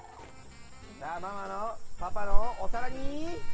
じゃあママのパパのおさらに。